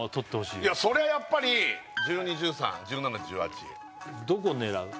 そりゃやっぱり１２１３１７１８どこ狙う？